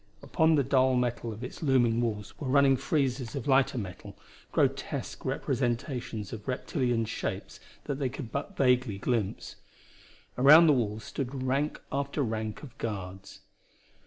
Upon the dull metal of its looming walls were running friezes of lighter metal, grotesque representations of reptilian shapes that they could but vaguely glimpse. Around the walls stood rank after rank of guards.